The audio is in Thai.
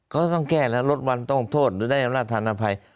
เขาต้องแก้แล้วลดวันต้องโทษหรือได้อำนาจฐานภัย